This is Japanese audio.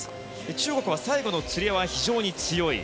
中国は最後のつり輪は非常に強い。